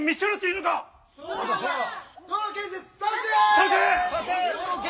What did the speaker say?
賛成！